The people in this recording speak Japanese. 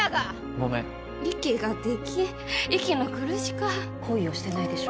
ごめん息ができん息の苦しか恋をしてないでしょ